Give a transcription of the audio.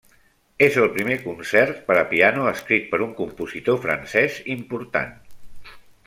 És el primer concert per a piano escrit per un compositor francès important.